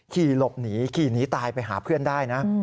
ขี่หลบหนีขี่หนีตายไปหาเพื่อนได้นะ